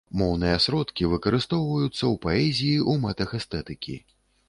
Моўныя сродкі выкарыстоўваюцца ў паэзіі ў мэтах эстэтыкі.